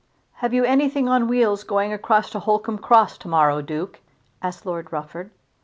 "Have you anything on wheels going across to Holcombe Cross to morrow, Duke?" asked Lord Rufford.